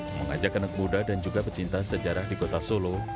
mengajak anak muda dan juga pecinta sejarah di kota solo